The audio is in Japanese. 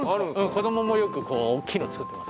子供もよくこう大きいの作ってますね。